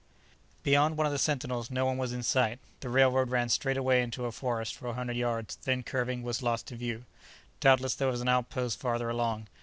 Beyond one of the sentinels nobody was in sight; the railroad ran straight away into a forest for a hundred yards, then, curving, was lost to view. Doubtless there was an outpost farther along.